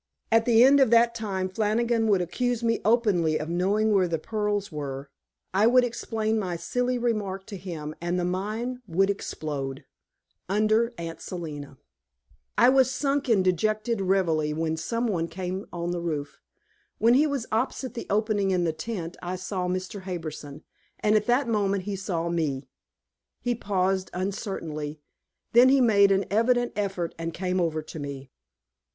At the end of that time Flannigan would accuse me openly of knowing where the pearls were; I would explain my silly remark to him and the mine would explode under Aunt Selina. I was sunk in dejected reverie when some one came on the roof. When he was opposite the opening in the tent, I saw Mr. Harbison, and at that moment he saw me. He paused uncertainly, then he made an evident effort and came over to me.